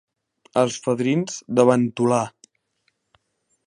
Els fadrins de Ventolà.